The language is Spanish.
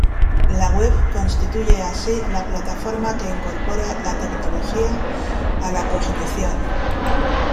La web constituye así la plataforma que incorpora la tecnología a la cognición.